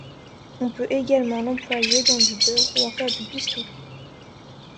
On peut également l'employer dans du beurre ou en faire du pistou.